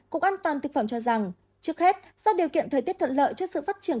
cục an toàn thực phẩm cho rằng trước hết do điều kiện thời tiết thuận lợi cho sự phát triển